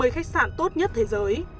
năm mươi khách sạn tốt nhất thế giới